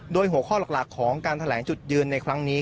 โดยหัวข้อหลักของการแถลงจุดยืนในครั้งนี้